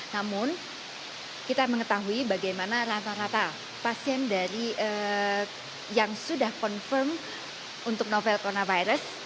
namun kita mengetahui bagaimana rata rata pasien yang sudah confirm untuk novel coronavirus